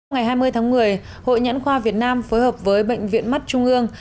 ngày hai mươi tháng một mươi hội nhãn khoa việt nam phối hợp với bệnh viện mắt trung ương